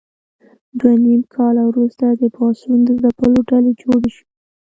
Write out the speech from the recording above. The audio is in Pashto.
دوه نیم کاله وروسته د پاڅون د ځپلو ډلې جوړې شوې.